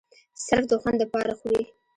صرف د خوند د پاره خوري